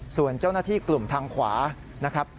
ส่วนเจ้าหน้าที่กลุ่มทางขวานะครับ